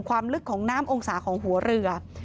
ทั้งองศาของหัวเรือ